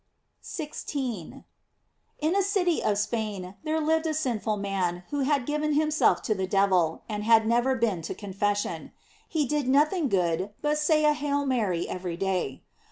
* 16. — In a city of Spain there lived a sinful man who had given himself to the devil, and had nev er been to confession. He did nothing good but say a ''Hail Mary" every day.